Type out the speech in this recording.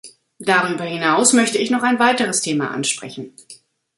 Darüber hinaus möchte ich noch ein weiteres Thema ansprechen.